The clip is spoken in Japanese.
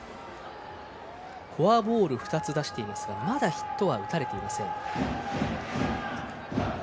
フォアボール２つ出していますが、まだヒットは打たれていません。